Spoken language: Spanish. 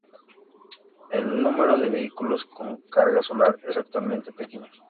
El número de vehículos con carga solar es actualmente pequeño.